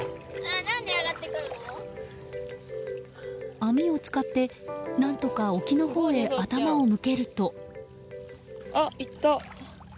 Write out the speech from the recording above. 網を使って何とか沖のほうへ頭を向けると。